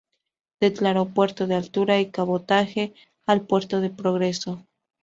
Declaró puerto de altura y cabotaje al Puerto de Progreso.